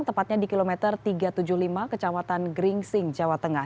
tepatnya di kilometer tiga ratus tujuh puluh lima kecamatan gringsing jawa tengah